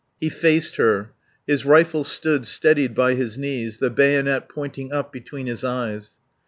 He faced her. His rifle stood steadied by his knees, the bayonet pointing up between his eyes.